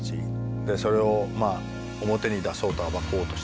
でそれをまあ表に出そうと暴こうとしている人たち。